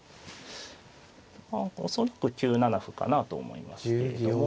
まあ恐らく９七歩かなと思いますけれども。